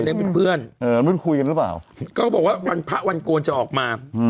เป็นเพื่อนเออรุ่นคุยกันหรือเปล่าก็บอกว่าวันพระวันโกนจะออกมา